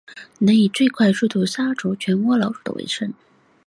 能以最快速度杀除全窝老鼠的为胜。